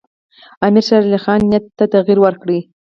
امیرشیرعلي خان نیت ته تغییر ورکړ.